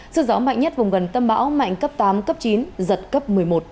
sức gió mạnh nhất vùng gần tâm bão mạnh cấp tám cấp chín giật cấp một mươi một